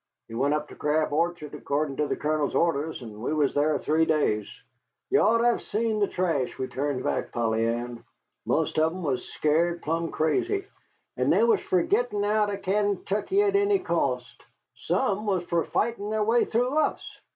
"We went up to Crab Orchard, accordin' to the Colonel's orders, and we was thar three days. Ye ought to hev seen the trash we turned back, Polly Ann! Most of 'em was scared plum' crazy, and they was fer gittin 'out 'n Kaintuckee at any cost. Some was fer fightin' their way through us."